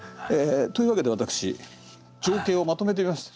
というわけで私情景をまとめてみました。